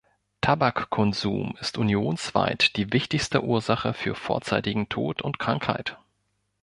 Tabakkonsum ist unionsweit die wichtigste Ursache für vorzeitigen Tod und Krankheit.